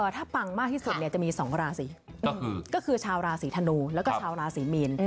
ถ้าปังมากที่สุดจะมี๒ราศีก็คือชาวราศีธนูแล้วก็ชาวราศีมีน